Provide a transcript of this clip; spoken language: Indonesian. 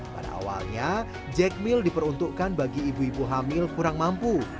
pada awalnya jekmil diperuntukkan bagi ibu ibu hamil kurang mampu